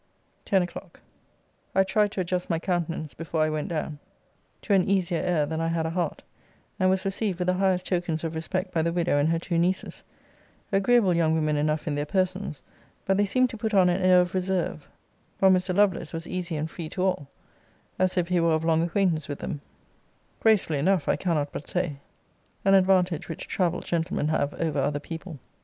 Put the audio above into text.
TEN O'CLOCK. I tried to adjust my countenance, before I went down, to an easier air than I had a heart, and was received with the highest tokens of respect by the widow and her two nieces: agreeable young women enough in their persons; but they seemed to put on an air of reserve; while Mr. Lovelace was easy and free to all, as if he were of long acquaintance with them: gracefully enough, I cannot but say; an advantage which travelled gentlemen have over other people.